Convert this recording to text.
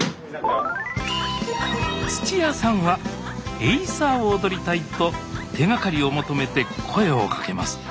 土屋さんはエイサーを踊りたいと手がかりを求めて声を掛けます。